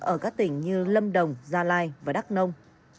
ở các tỉnh như lâm đồng gia lai và đắk nông